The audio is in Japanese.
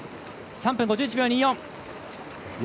３分５１秒２４。